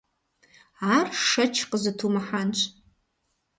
Ар шэч къызытумыхьэнщ.